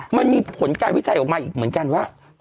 มันมีผลการวิจัยออกมาอีกเหมือนกันว่า